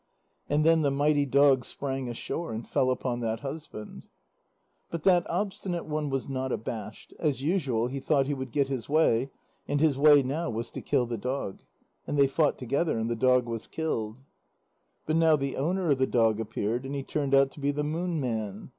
And then the mighty dog sprang ashore and fell upon that husband. But that Obstinate One was not abashed; as usual, he thought he would get his own way, and his way now was to kill the dog. And they fought together, and the dog was killed. But now the owner of the dog appeared, and he turned out to be the Moon Man.